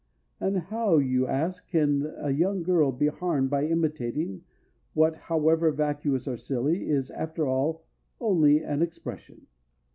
And how, you ask, can a young girl be harmed by imitating what, however vacuous or silly, is after all only an expression?